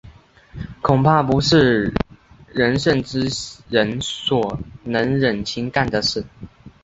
恐怕不是仁圣之人所能忍心干的事。